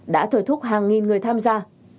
đã thổi thúc hàng nghìn người tham gia